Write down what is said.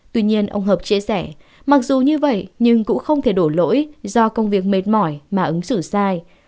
tuy nhiên ông hợp chia sẻ mặc dù như vậy nhưng cũng không thể đổ lỗi do công việc mệt mỏi mà ứng xử sai